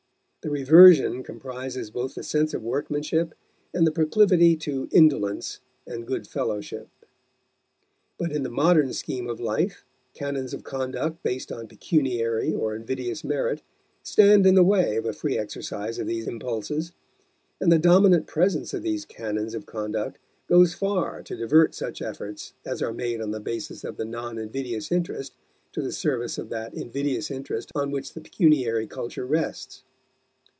The reversion comprises both the sense of workmanship and the proclivity to indolence and good fellowship. But in the modern scheme of life canons of conduct based on pecuniary or invidious merit stand in the way of a free exercise of these impulses; and the dominant presence of these canons of conduct goes far to divert such efforts as are made on the basis of the non invidious interest to the service of that invidious interest on which the pecuniary culture rests.